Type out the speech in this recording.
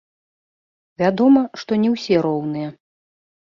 Вядома, што не ўсе роўныя.